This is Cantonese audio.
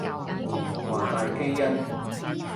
華大基因